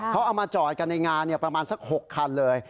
เขาเอามาจอดกันในงานประมาณสัก๖คันเลย